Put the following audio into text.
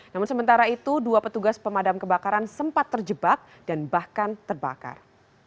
namun sementara itu dua petugas pemadam kebakaran sempat terjebak dan bahkan terbakar